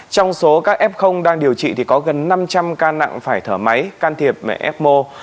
trong số các f đang điều trị thì có gần năm trăm linh ca nặng phải thở máy can thiệp mẹ fmo